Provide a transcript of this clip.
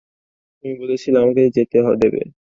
তুমি বলেছিলে আমাকে যেতে দেবে।